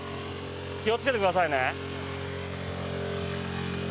気をつけてくださいね。